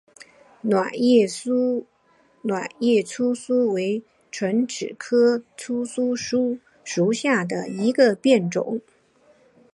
卵叶糙苏为唇形科糙苏属下的一个变种。